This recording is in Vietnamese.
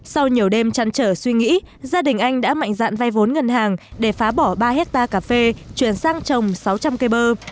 sau nhiều đêm chăn trở suy nghĩ gia đình anh đã mạnh dạn vay vốn ngân hàng để phá bỏ ba hectare cà phê chuyển sang trồng sáu trăm linh cây bơ